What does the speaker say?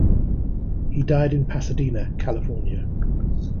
He died in Pasadena, California.